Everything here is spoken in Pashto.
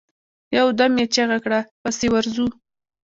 يودم يې چيغه کړه! پسې ورځو.